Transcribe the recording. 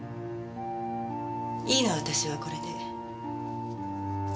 いいの私はこれで。